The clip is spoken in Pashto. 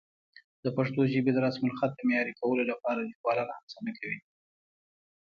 د پښتو ژبې د رسمالخط د معیاري کولو لپاره لیکوالان هڅه نه کوي.